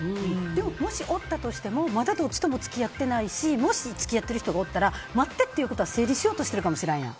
もしおったとしてもまだどっちとも付き合ってないしもし付き合っている人がおったら待ってっていうことは整理しようとしてるかもしれんやん。